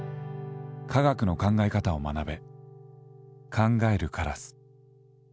科学の考え方を学べ。